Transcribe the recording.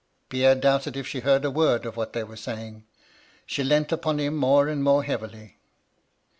Pierre doubted if she heard a word of what they were saying. She leant upon him more and more heavily.